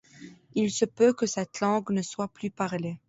Il se peut que cette langue ne soit plus parlée.